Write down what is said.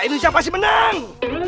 indonesia pasti menang